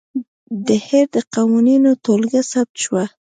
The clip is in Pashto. د هیر د قوانینو ټولګه ثبت شوه.